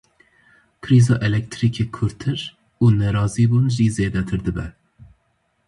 Krîza elektrîkê kûrtir û nerazîbûn jî zêdetir dibe.